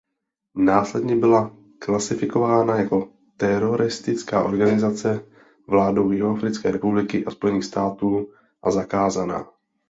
Následně byla klasifikována jako teroristická organizace vládou Jihoafrické republiky a Spojených států a zakázána.